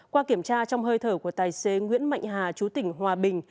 qua kiểm tra trong hơi thở của tài xế nguyễn mạnh hà chú tỉnh hòa bình